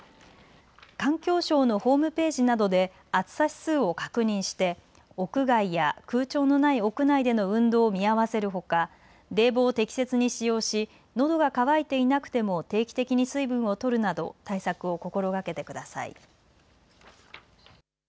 環境省のホームページなどで暑さ指数を確認して屋外や空調のない屋内での運動を見合わせるほか冷房を適切に使用し、のどが渇いていなくても定期的に水分をとるなど対策を心がけてください。